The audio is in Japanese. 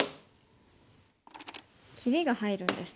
切りが入るんですね。